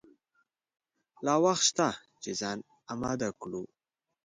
لا وخت شته چې ځان آمده کړو.